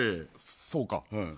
そうか。